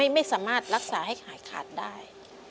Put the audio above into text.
ไม่สามารถรักษาให้หายขาดได้